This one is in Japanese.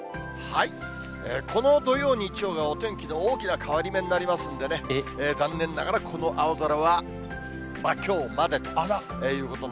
この土曜、日曜が、お天気の大きな変わり目になりますんでね、残念ながらこの青空はきょうまでということで。